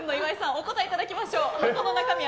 お答えいただきましょう。